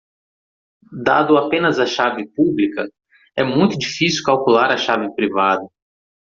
Dado apenas a chave pública?, é muito difícil calcular a chave privada.